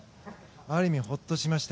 ある意味、ほっとしました。